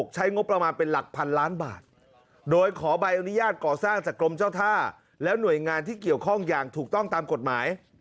ใช้งบประมาณเป็นหลักพันล้านบาทโดยขอใบอนุญาตก่อสร้างจากกรมเจ้าท่าและหน่วยงานที่เกี่ยวข้องอย่างถูกต้องตามกฎหมาย